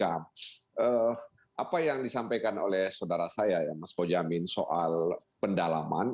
apa yang disampaikan oleh saudara saya ya mas bojamin soal pendalaman